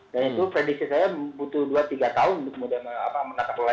dan itu prediksi saya butuh dua tiga tahun untuk menangkap oleh